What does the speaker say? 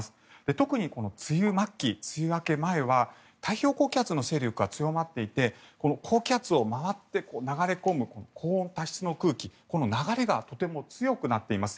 特に梅雨末期、梅雨明け前は太平洋高気圧の勢力が強まっていて高気圧を回って流れ込む高温多湿の空気の流れがとても強くなっています。